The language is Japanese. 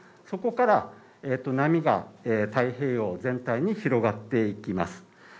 そこから波がえー太平洋全体に広がっていきます